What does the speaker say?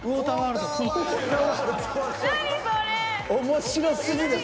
面白すぎる。